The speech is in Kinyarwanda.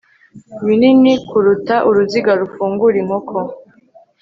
binini kuruta uruziga rufungura inkoko